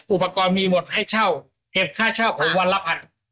อุปกรณ์มีหมดข้าวเทียบค่าเที่ยวผมวันละพัน